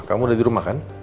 kamu udah dirumah kan